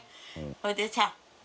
それでさ